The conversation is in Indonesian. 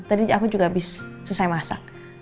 tadi aku juga abis susah masak